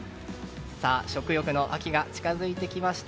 食欲の秋が近づいてきました。